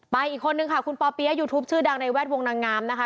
อีกคนนึงค่ะคุณปอเปี๊ยะยูทูปชื่อดังในแวดวงนางงามนะคะ